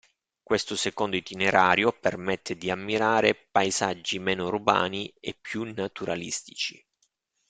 Questo secondo itinerario permette di ammirare paesaggi meno urbani e più naturalistici.